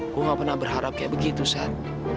gue gak pernah berharap kayak begitu sat